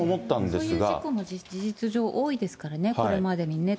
そういう事故も事実上多いですからね、これまでもね。